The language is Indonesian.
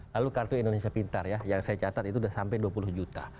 lalu kartu indonesia pintar ya yang saya catat itu sudah sampai dua puluh juta